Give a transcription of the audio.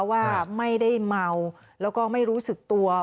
ว่าไม่ได้เมาแล้วก็ไม่รู้สึกตัว